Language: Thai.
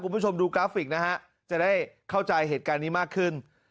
คุณผู้ชมดูกราฟิกนะฮะจะได้เข้าใจเหตุการณ์นี้มากขึ้น